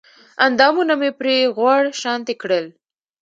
اندامونه مې پرې غوړ شانتې کړل